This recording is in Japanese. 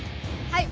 はい。